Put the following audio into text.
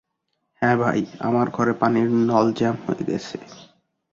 হ্যাঁ ভাই, আমার ঘরে পানির নল জ্যাম হয়ে গেছে।